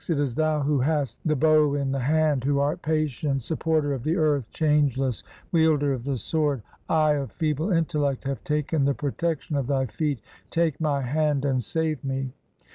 It is Thou who hast the bow in the hand, who art patient, Supporter of the earth, changeless, Wielder of the sword. 1 of feeble intellect have taken the protection of Thy feet ; take my hand and save me.